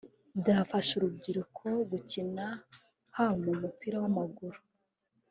byafasha urubyiruko gukina haba mu mupira w’amaguru